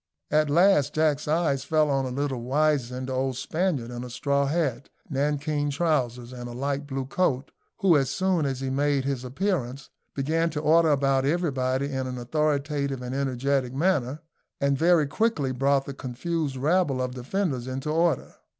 At last Jack's eyes fell on a little wizened old Spaniard in a straw hat, nankeen trousers, and a light blue coat, who, as soon as he made his appearance, began to order about everybody in an authoritative and energetic manner, and very quickly brought the confused rabble of defenders into order.